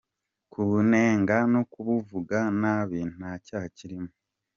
Kubunenga no kubuvuga nabi nta cyaha kirimo.